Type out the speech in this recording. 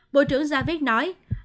bộ trưởng javid nói